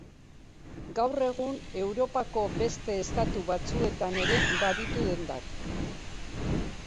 Gaur egun, Europako beste estatu batzuetan ere baditu dendak.